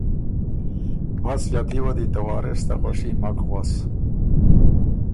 بس ݫاتي وه دی ته وارث ته خوشي مک غؤس